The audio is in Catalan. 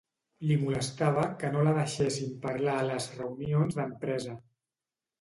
Li molestava que no la deixessin parlar a les reunions d'empresa.